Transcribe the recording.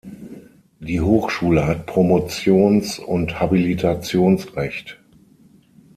Die Hochschule hat Promotions- und Habilitationsrecht.